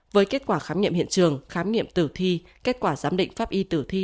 với kết quả khám nghiệm hiện trường khám nghiệm tử thi kết quả giám định pháp y tử thi